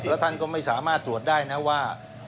แล้วท่านก็ไม่สามารถตรวจได้นะว่า